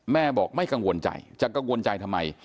แม่บอกไม่กังวลใจจะกังวลใจทำไม